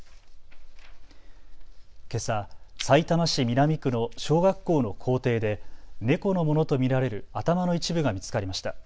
けさ、さいたま市南区の小学校の校庭で猫のものと見られる頭の一部が見つかりました。